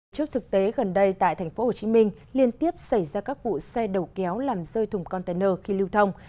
trước thực tế gần đây tại tp hcm liên tiếp xảy ra các vụ xe đầu kéo làm rơi thùng container khi lưu thông